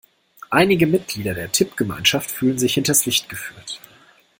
Einige Mitglieder der Tippgemeinschaft fühlen sich hinters Licht geführt.